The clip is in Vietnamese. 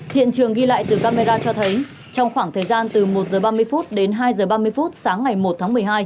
hiện trường ghi lại từ camera cho thấy trong khoảng thời gian từ một h ba mươi đến hai h ba mươi phút sáng ngày một tháng một mươi hai